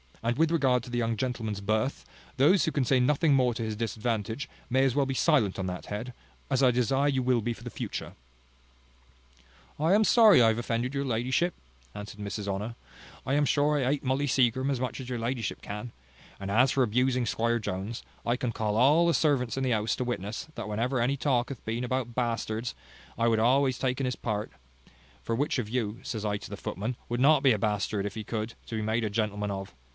And with regard to the young gentleman's birth, those who can say nothing more to his disadvantage, may as well be silent on that head, as I desire you will be for the future." "I am sorry I have offended your ladyship," answered Mrs Honour. "I am sure I hate Molly Seagrim as much as your ladyship can; and as for abusing Squire Jones, I can call all the servants in the house to witness, that whenever any talk hath been about bastards, I have always taken his part; for which of you, says I to the footmen, would not be a bastard, if he could, to be made a gentleman of?